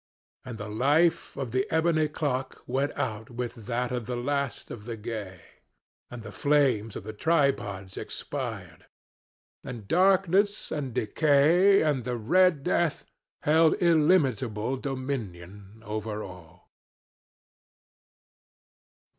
And the life of the ebony clock went out with that of the last of the gay. And the flames of the tripods expired. And Darkness and Decay and the Red Death held illimitable dominion over all.